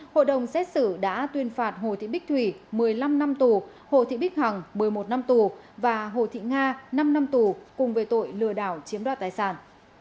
hội đồng xét xử đã tuyên phạt hồ thị bích thủy một mươi năm năm tù hồ thị bích hằng một mươi một năm tù và hồ thị nga năm năm tù cùng về tội lừa đảo chiếm đoạt tài sản